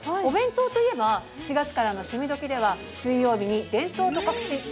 お弁当といえば４月からの「趣味どきっ！」では水曜日に「伝統と革新！